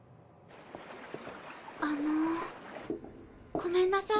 あのごめんなさい